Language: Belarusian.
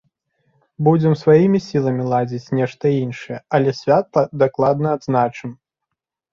Будзем сваімі сіламі ладзіць нешта іншае, але свята дакладна адзначым!